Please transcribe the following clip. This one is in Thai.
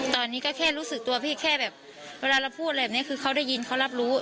ตอนนี้ก็แค่รู้สึกตัวพี่แค่แบบเวลาเราพูดอะไรแบบนี้คือเขาได้ยินเขารับรู้